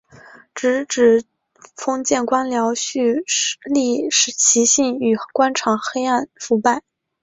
直指封建官僚胥吏习性与官场黑暗腐败。